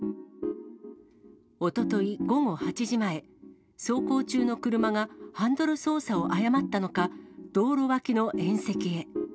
おととい午後８時前、走行中の車がハンドル操作を誤ったのか、道路脇の縁石へ。